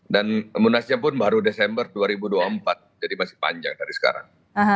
dan emunasinya pun baru desember dua ribu dua puluh empat jadi masih panjang dari sekarang